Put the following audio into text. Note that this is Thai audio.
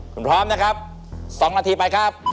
คุณพร้อมนะครับ๒นาทีไปครับ